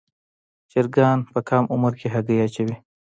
چرګان په کم عمر کې هګۍ اچوي.